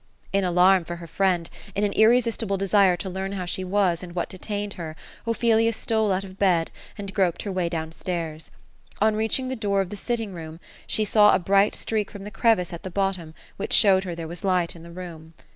In alarm for her friend, in an irresistible desire to learn how she was, and what detained her, Ophelia stole out of bed, and groped her way down stairs.' On reaching the door of the sitting room, she saw a bright streak from the crevice at the bottom, which showed her there was light in the room.